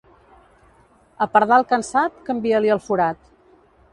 A pardal cansat, canvia-li el forat.